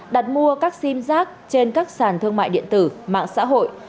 đặt mua các sim giác trên các sàn thương mại điện tử mạng xã hội